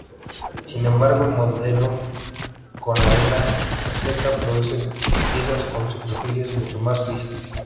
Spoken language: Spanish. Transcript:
Sin embargo, el moldeo con arena seca produce piezas con superficies mucho más lisas.